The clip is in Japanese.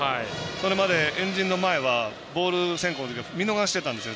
それまで円陣の前はボール先行というか見逃してたんですよ